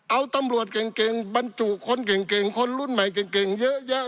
เอาตำรวจเก่งบรรจุคนเก่งคนรุ่นใหม่เก่งเยอะแยะ